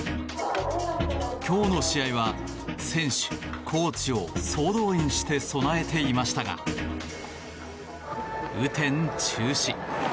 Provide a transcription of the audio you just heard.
今日の試合は選手、コーチを総動員して備えていましたが雨天中止。